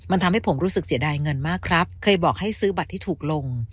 มันทำให้ผมรู้สึกเสียดายเงินมากครับเคยบอกให้ซื้อบัตรที่ถูกลง